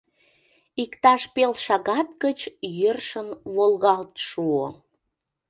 Иктаж пел шагат гыч йӧршын волгалт шуо.